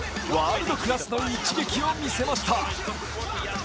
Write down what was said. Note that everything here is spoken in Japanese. ワールドクラスの一撃を見せました。